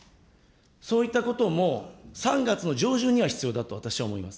そういったことも３月の上旬には必要だと私は思います。